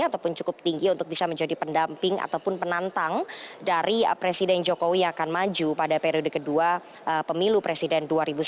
ataupun cukup tinggi untuk bisa menjadi pendamping ataupun penantang dari presiden jokowi yang akan maju pada periode kedua pemilu presiden dua ribu sembilan belas